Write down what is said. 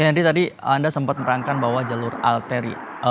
jadi tadi anda sempat merangkan bahwa jalur alteri